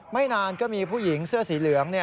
ไม่นานก็มีผู้หญิงเสื้อสีเหลือง